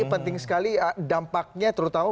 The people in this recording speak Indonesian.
penting sekali dampaknya terutama